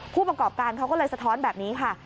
ผู้ประกอบการเขาก็เลยสะท้อนแบบนี้ค่ะ